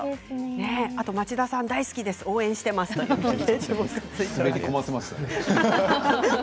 あと町田さん大好きです応援していますということです。